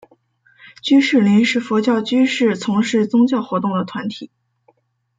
居士林是佛教居士从事宗教活动的团体。